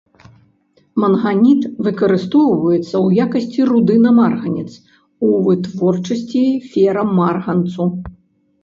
Манганіт выкарыстоўваецца ў якасці руды на марганец, у вытворчасці ферамарганцу.